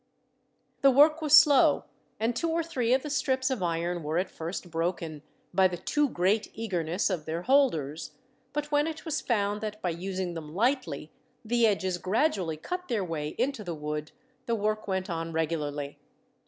The work was slow, and two or three of the strips of iron were at first broken, by the too great eagerness of their holders; but when it was found that, by using them lightly, the edges gradually cut their way into the wood, the work went on regularly.